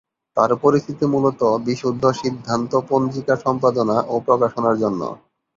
তার পরিচিতি মূলতঃ বিশুদ্ধ সিদ্ধান্ত পঞ্জিকা সম্পাদনা ও প্রকাশনার জন্য।